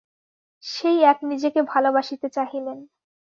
সেই এক নিজেকে ভালবাসিতে চাহিলেন।